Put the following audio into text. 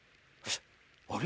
あれ？